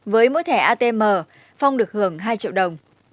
với mỗi thẻ atm phong được hưởng hai triệu đồng